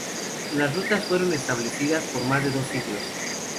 Las rutas fueron establecidas por más de dos siglos.